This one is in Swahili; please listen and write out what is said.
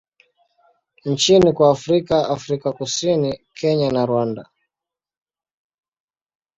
nchini kwa Afrika Afrika Kusini, Kenya na Rwanda.